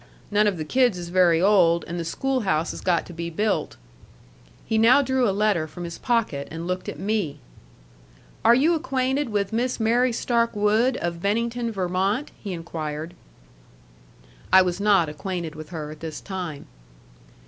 None of the kids is very old, and the schoolhouse has got to be built." He now drew a letter from his pocket, and looked at me. "Are you acquainted with Miss Mary Stark Wood of Bennington, Vermont?" he inquired. I was not acquainted with her at this time.